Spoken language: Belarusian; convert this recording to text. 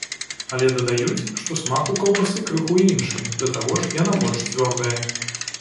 Але дадаюць, што смак у каўбасы крыху іншы, да таго ж, яна больш цвёрдая.